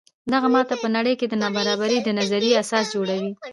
دغه ماته په نړۍ کې د نابرابرۍ د نظریې اساس جوړوي.